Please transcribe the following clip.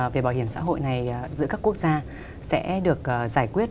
về bảo hiểm xã hội này giữa các quốc gia sẽ được giải quyết